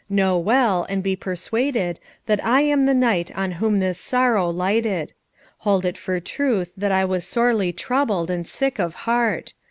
Know well, and be persuaded, that I am the knight on whom this sorrow lighted. Hold it for truth that I was sorely troubled and sick of heart.